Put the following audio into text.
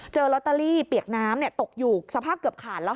ลอตเตอรี่เปียกน้ำตกอยู่สภาพเกือบขาดแล้ว